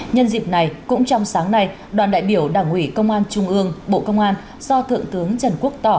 nhân dịp này cũng trong sáng nay đoàn đại biểu đảng ủy công an trung ương bộ công an do thượng tướng trần quốc tỏ